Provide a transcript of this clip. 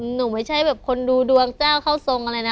ไม่ใช่แบบคนดูดวงเจ้าเข้าทรงอะไรนะ